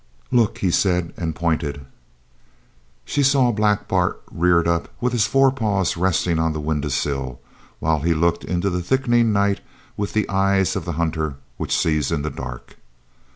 "Look!" he said, and pointed. She saw Black Bart reared up with his forepaws resting on the window sill, while he looked into the thickening night with the eyes of the hunter which sees in the dark.